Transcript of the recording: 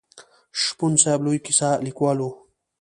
شپون صاحب لوی کیسه لیکوال و.